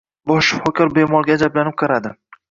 Bosh shifokor bemorga ajablanib qaradi.